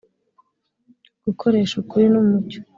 gukoresha ukuri n’umucyo